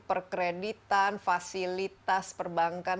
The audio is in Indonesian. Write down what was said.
perkreditan fasilitas perbankan